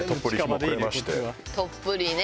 とっぷりね。